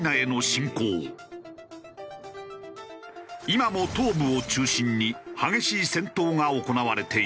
今も東部を中心に激しい戦闘が行われている。